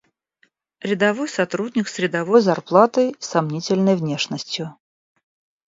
Рядовой сотрудник с рядовой зарплатой и сомнительной внешностью.